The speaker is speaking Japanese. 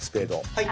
はい！